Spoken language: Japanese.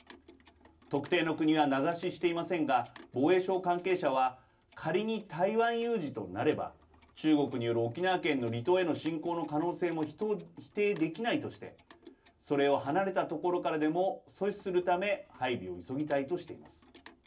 特定の国は名指ししていませんが防衛省関係者は仮に台湾有事となれば中国による沖縄県の離島への侵攻の可能性も否定できないとしてそれを離れた所からでも阻止するため配備を急ぎたいとしています。